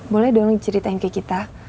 boleh dong ceritain ke kita